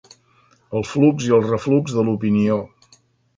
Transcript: El flux i el reflux de l'opinió.